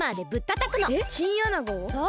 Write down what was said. そう。